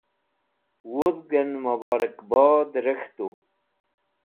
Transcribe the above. wudg'en muborakbod rek̃htu